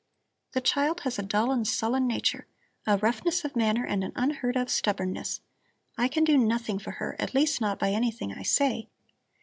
The child has a dull and sullen nature, a roughness of manner and an unheard of stubbornness. I can do nothing for her, at least not by anything I say.